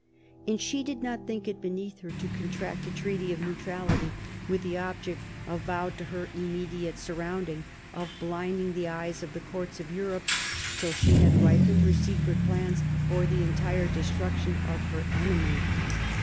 And she did not think it beneath her to contract a treaty of neutrality with the object, avowed to her immediate surrounding, of blinding the eyes of the courts of Europe till she had ripened her secret plans for the entire destruction of her enemy.